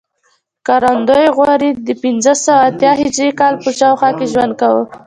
ښکارندوی غوري د پنځه سوه اتیا هجري کال په شاوخوا کې ژوند کاوه